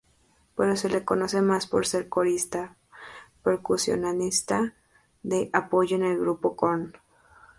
Pero se lo conoce más por ser corista, percusionista de apoyo del grupo Korn.